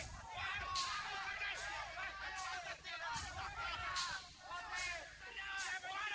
saya lakukan ini juga ben